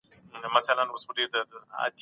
دا د زده کوونکو ذهنيت خرابوي.